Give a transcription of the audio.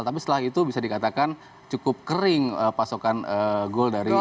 tapi setelah itu bisa dikatakan cukup kering pasokan gol dari